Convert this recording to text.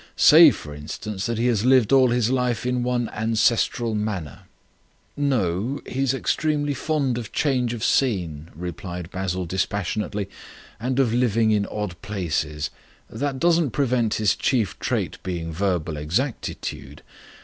Say, for instance, that he has lived all his life in one ancestral manor." "No, he's extremely fond of change of scene," replied Basil dispassionately, "and of living in odd places. That doesn't prevent his chief trait being verbal exactitude.